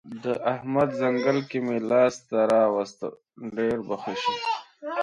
د احمد ځنګل که مې لاس ته راوست؛ ډېر به ښه شي.